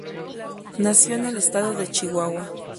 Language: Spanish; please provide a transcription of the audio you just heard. Nació en el estado de Chihuahua.